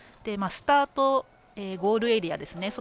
スタート、ゴールエリアですね。